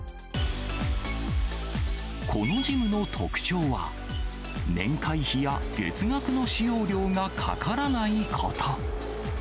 このジムの特徴は、年会費や月額の使用料がかからないこと。